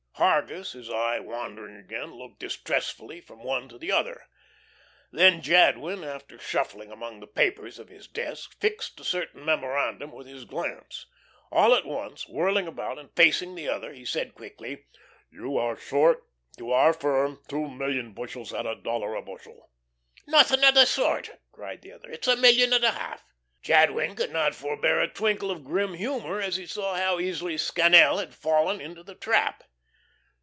Hargus, his eye wandering again, looked distressfully from one to the other. Then Jadwin, after shuffling among the papers of his desk, fixed a certain memorandum with his glance. All at once, whirling about and facing the other, he said quickly: "You are short to our firm two million bushels at a dollar a bushel." "Nothing of the sort," cried the other. "It's a million and a half." Jadwin could not forbear a twinkle of grim humour as he saw how easily Scannel had fallen into the trap.